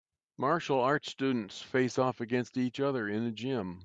Martial arts students face off against each other in a gym.